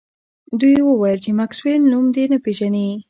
دوی وویل چې میکسویل نوم نه پیژني